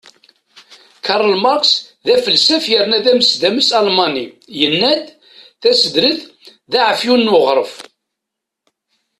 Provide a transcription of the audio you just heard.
Karl Marx, d afelsaf yerna d amesdames Almani, yenna-d: Tasredt d aεefyun n uɣref.